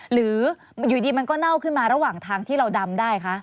หรืออยู่ดีมันก็เน่าขึ้นมาระหว่างทางที่เราดำได้คะ